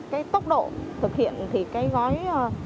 cái tốc độ thực hiện thì cái gói